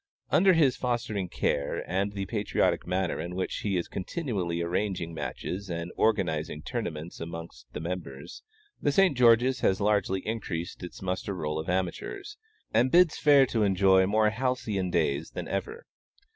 Under his fostering care, and the patriotic manner in which he is continually arranging matches and organizing tournaments amongst the members, the St. George's has largely increased its muster roll of amateurs, and bids fair to enjoy more halcyon days than ever.